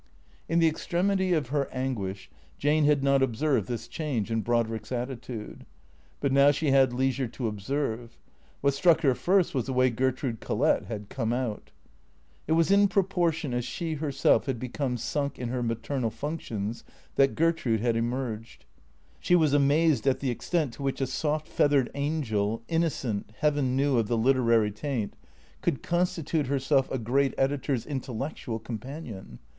In the extremity of her anguish Jane had not observed this change in Brodrick's attitude. But now she had leisure to observe. What struck her first was the way Gertrude Collett had come out. It was in proportion as she herself had become sunk in her maternal functions that Gertrude had emerged. She was amazed at the extent to which a soft feathered angel, inno cent, heaven knew, of the literary taint, could constitute herself a great editor's intellectual companion.